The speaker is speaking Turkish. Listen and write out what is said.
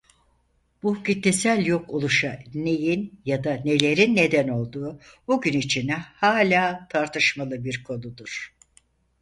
Bu kitlesel yok oluşa neyin ya da nelerin neden olduğu bugün için halen tartışmalı bir konudur.